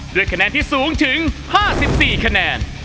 ด้วยคะแนนที่สูงถึง๕๔คะแนน